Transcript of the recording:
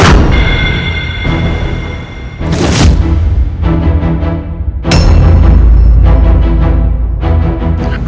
aku mau ketemu mama